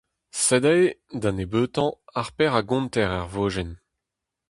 Sed aze, da nebeutañ, ar pezh a gonter er vojenn.